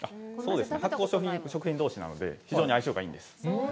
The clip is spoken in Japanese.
発酵食品どうしなので非常に相性がいいんです。